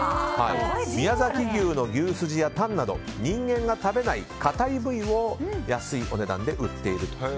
宮崎牛の牛すじやタンなど人間が食べない硬い部位を安いお値段で売っていると。